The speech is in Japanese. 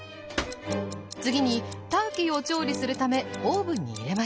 次にターキーを調理するためオーブンに入れました。